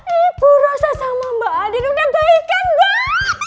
ibu rosa sama mbak adin udah baik baik